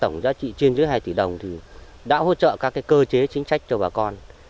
tổng giá trị trên dưới hai tỷ đồng thì đã hỗ trợ các cơ chế chính sách cho bà con